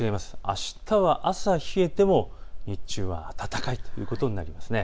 あしたは朝冷えても日中は暖かいということになります。